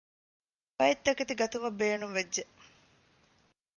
ބައެއްތަކެތި ގަތުމަށް ބޭނުންވެއްޖެ